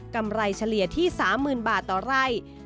กำไรเฉลี่ยที่๓๐๐๐บาทต่อไร่